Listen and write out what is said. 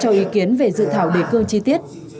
cho ý kiến về dự thảo đề cương chi tiết